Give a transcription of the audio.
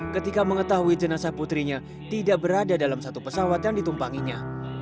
ketika mengetahui jenazah putrinya tidak berada dalam satu pesawat yang ditumpanginya